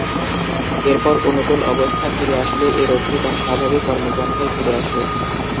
এরপর অনুকূল অবস্থা ফিরে আসলে এ রোগটি তার স্বাভাবিক কর্মপন্থায় ফিরে আসে।